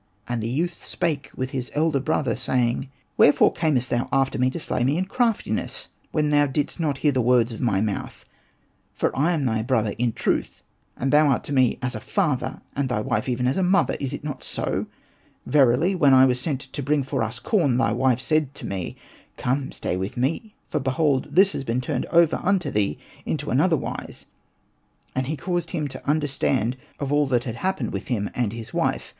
And the youth spake with his elder brother, saying, '' Where fore earnest thou after me to slay me in crafti ness, when thou didst not hear the words of my mouth ^ For I am thy brother in truth, and thou art to me as a father, and thy wife even as a mother : is it not so.^ Verily, when I was sent to bring for us corn, thy wife said to me, ' Come, stay with me ;' for behold this has been turned over unto thee into another wise.'' And he caused him to under stand of all that happened with him and his Hosted by Google ANPU AND BATA 47 wife.